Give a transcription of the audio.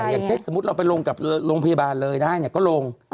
อย่างเช่นสมมุติเราไปลงกับโรงพยาบาลเลยได้เนี่ยก็ลง